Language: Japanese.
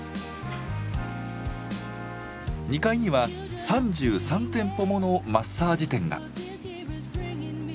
２階には３３店舗ものマッサージ店が。